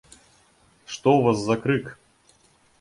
Што ў вас за крык?